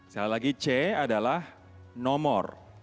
sekali lagi c adalah nomor